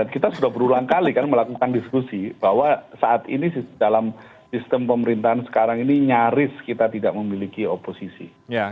kita sudah berulang kali kan melakukan diskusi bahwa saat ini dalam sistem pemerintahan sekarang ini nyaris kita tidak memiliki oposisi